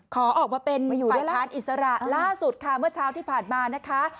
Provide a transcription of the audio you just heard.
ขอออกมาเป็นฝ่ายค้านอิสระล่าสุดค่ะเมื่อเช้าที่ผ่านมานะคะ